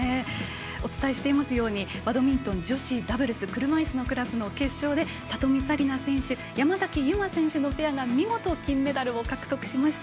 お伝えしていますようにバドミントン女子ダブルス車いすのクラスの決勝で里見紗李奈選手と山崎悠麻選手のペアが見事、金メダルを獲得しました。